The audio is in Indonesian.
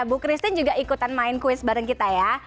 bu christine juga ikutan main kuis bareng kita ya